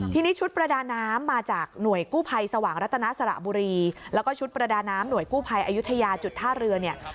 ทีนี้ชุดประดาน้ำมาจากหน่วยกู้ภัยสว่างรัตนาสระบุรีแล้วก็ชุดประดาน้ำหน่วยกู้ภัยอายุทยาจุดท่าเรือเนี่ย